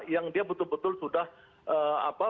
yang dia betul betul sudah apa